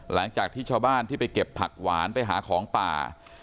หลังจากที่ชาวบ้านที่ไปเก็บผักหวานไปหาของป่า